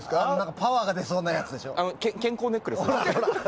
パワーが出そうでしょ。